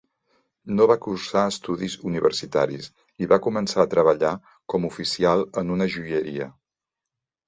No va cursar estudis universitaris, i va començar a treballar com oficial en una joieria.